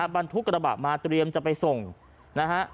บรรทุกกระบะมาเตรียมจะไปส่งนะฮะ